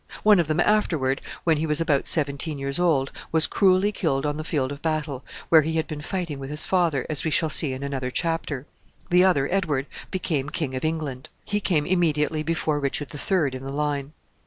One of them, afterward, when he was about seventeen years old, was cruelly killed on the field of battle, where he had been fighting with his father, as we shall see in another chapter. The other, Edward, became King of England. He came immediately before Richard the Third in the line.